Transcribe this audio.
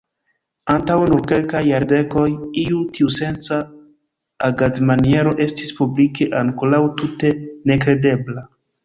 Antaŭ nur kelkaj jardekoj, iu tiusenca agadmaniero estis publike ankoraŭ tute nekredebla.